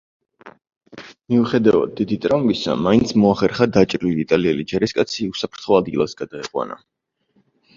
მიუხედავად დიდი ტრავმისა, მაინც მოახერხა დაჭრილი იტალიელი ჯარისკაცი უსაფრთხო ადგილას გადაეყვანა.